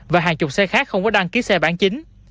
và hàng chục xe khác không có đăng ký xe bán chính